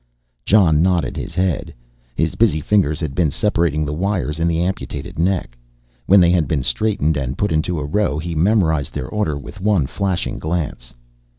Jon nodded his head. His busy fingers had been separating the wires in the amputated neck. When they had been straightened and put into a row he memorized their order with one flashing glance.